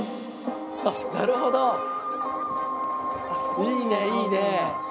いいねいいね。